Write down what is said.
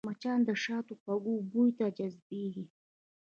مچان د شاتو خوږ بوی ته جذبېږي